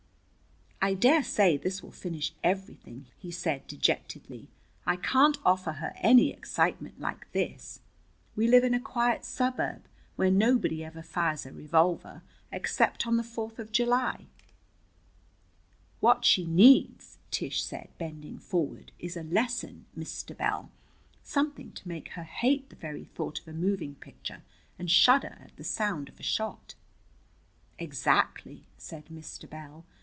"I dare say this will finish everything," he said dejectedly. "I can't offer her any excitement like this. We live in a quiet suburb, where nobody ever fires a revolver except on the Fourth of July." "What she needs," Tish said, bending forward, "is a lesson, Mr. Bell something to make her hate the very thought of a moving picture and shudder at the sound of a shot." "Exactly," said Mr. Bell.